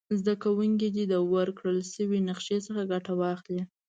زده کوونکي دې د ورکړ شوې نقشي څخه ګټه واخلي.